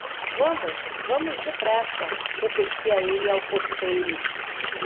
Vamos, vamos depressa, repetia ele ao cocheiro.